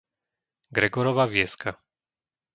Gregorova Vieska